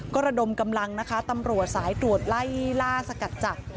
ก็ระดมกำลังนะคะตำรวจสายตรวจไล่ล่าสกัดจับ